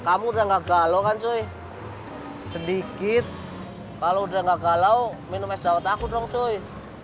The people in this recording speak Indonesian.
hai kamu udah nggak galau kan cuy sedikit kalau udah nggak galau minum es daun aku dong cuy